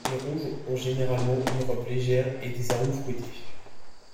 Les rouges ont généralement une robe légère et des arômes fruités.